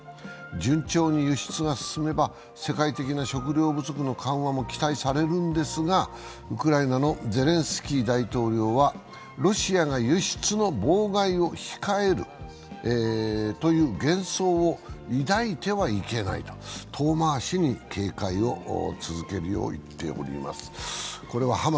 順調に輸出が進めば、世界的な食糧不足の緩和も期待されますがウクライナのゼレンスキー大統領は、ロシアが輸出の妨害を控えるという幻想を抱いてはいけないと遠回しに警戒を続けるよう言っております。